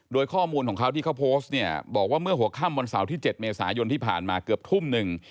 โดยข้อมูลของเขาที่เขาโพสต์เนี่ยบอกว่าเมื่อหัวค่ำวันเสาร์ที่๗เมษายนที่ผ่านมาเกือบทุ่มหนึ่ง